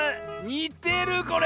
にてるこれ！